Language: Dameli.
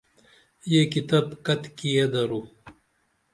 یہ کتب کتیکیہ درو؟